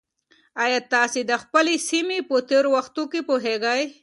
ایا تاسي د خپلې سیمې په تېرو وختونو پوهېږئ؟